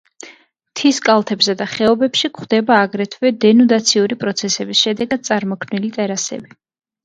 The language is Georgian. მთის კალთებზე და ხეობებში გვხვდება აგრეთვე დენუდაციური პროცესების შედეგად წარმოქმნილი ტერასები.